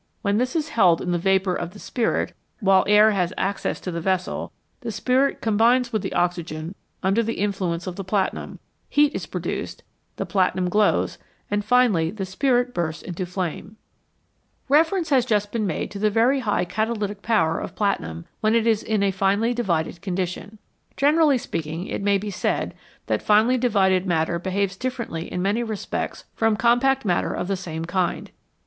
When this is held in the vapour of the spirit, 126 HOW FIRE IS MADE while air has access to the vessel, the spirit combines with the oxygen under the influence of the platinum, heat is produced, the platinum glows, and finally the spirit bursts into flame. Reference has just been made to the very high cata lytic power of platinum when it is in a finely divided condition. Generally speaking, it may be said that finely divided matter behaves differently in many respects from compact matter of the same kind.